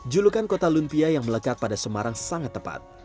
julukan kota lumpia yang melekat pada semarang sangat tepat